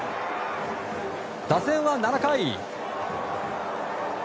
打線は７回。